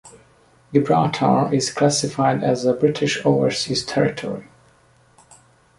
Gibraltar is classified as a British overseas territory.